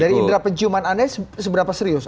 dari indera penciuman anda seberapa serius